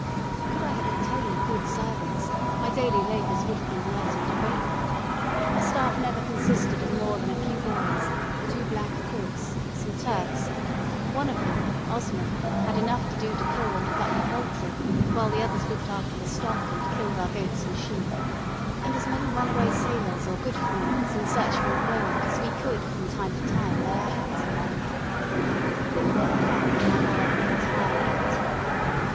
Could I have obtained good servants, my daily labours would have been lightened greatly; but my staff never consisted of more than a few boys, two black cooks, some Turks one of whom, Osman, had enough to do to kill and pluck the poultry, while the others looked after the stock and killed our goats and sheep and as many runaway sailors or good for noughts in search of employment as we could from time to time lay our hands upon; but they never found my larder entirely empty.